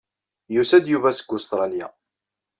Yusa-d Yuba seg Ustṛalya.